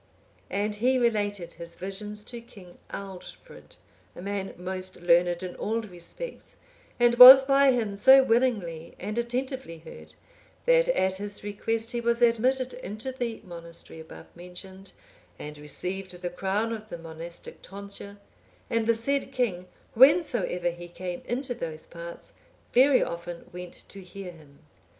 And he related his visions to King Aldfrid,(845) a man most learned in all respects, and was by him so willingly and attentively heard, that at his request he was admitted into the monastery above mentioned, and received the crown of the monastic tonsure; and the said king, whensoever he came into those parts, very often went to hear him.